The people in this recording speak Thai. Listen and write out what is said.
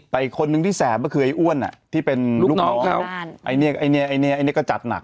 แต่คนหนึ่งที่แสบก็คือไอ้อ้วนที่เป็นลูกน้องเขาไอ้เนี่ยก็จัดหนัก